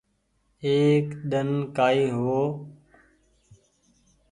ايڪ ۮن ڪآئي هو يو